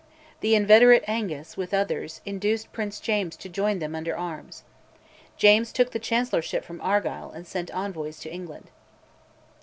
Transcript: The inveterate Angus, with others, induced Prince James to join them under arms. James took the Chancellorship from Argyll and sent envoys to England.